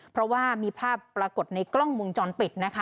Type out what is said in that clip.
เพราะว่ามีภาพปรากฏในกล้องวงจรปิดนะคะ